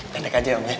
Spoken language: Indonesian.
danek aja om ya